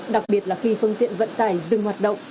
đặc biệt là khi phương tiện vận tải dừng hoạt động